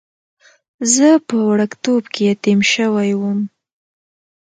زه په وړکتوب کې یتیم شوی وم.